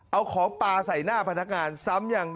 เอาของปลาใส่หน้าพนักงานซ้ำยัง